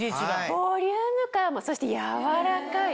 ボリューム感もそして柔らかい。